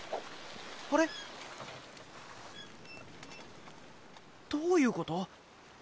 あれっ？どういうこと？